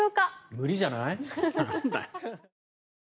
無理じゃない？